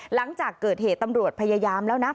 หลังจากเกิดเหตุตำรวจพยายามแล้วนะ